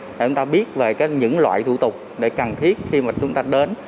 để chúng ta biết về những loại thủ tục để cần thiết khi mà chúng ta đến